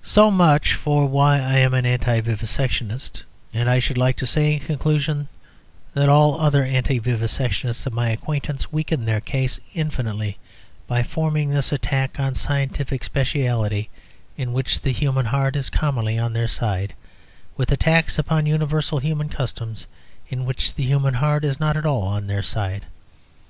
So much for why I am an anti vivisectionist; and I should like to say, in conclusion, that all other anti vivisectionists of my acquaintance weaken their case infinitely by forming this attack on a scientific speciality in which the human heart is commonly on their side, with attacks upon universal human customs in which the human heart is not at all on their side.